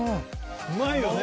うまいよね。